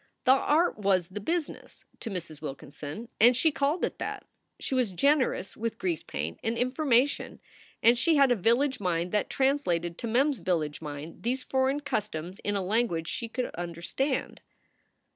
The art was "the business" to Mrs. Wilkinson, and she called it that. She was generous with grease paint and information, and she had a village mind that translated to Mem s village mind these foreign customs in a language she could understand.